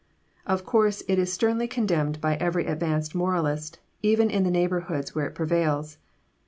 Of course it is sternly condemned by every advanced moralist, even in the neighbourhoods where it prevails.